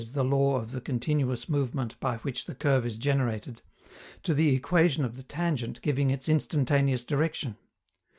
_ the law of the continuous movement by which the curve is generated) to the equation of the tangent giving its instantaneous direction.